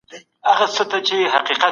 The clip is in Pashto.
قصاص په ټولنه کي سوله راولي.